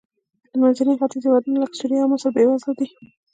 د منځني ختیځ هېوادونه لکه سوریه او مصر بېوزله دي.